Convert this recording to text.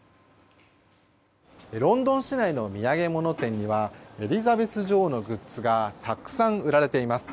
ロンドン市内の土産物店にはエリザベス女王のグッズがたくさん売られています。